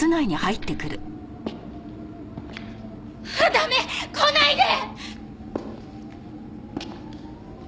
駄目！来ないで！